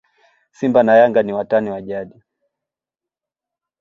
simba na yanga ni watani wa jadi